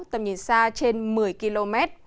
trên một mươi km